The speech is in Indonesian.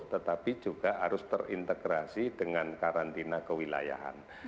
tetapi juga harus terintegrasi dengan karantina kewilayahan